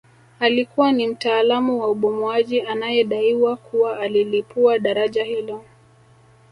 Alikuwa ni mtaalamu wa ubomoaji anayedaiwa kuwa alilipua daraja hilo